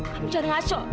kamu jangan ngaco